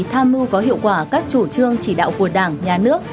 tham mưu có hiệu quả các chủ trương chỉ đạo của đảng nhà nước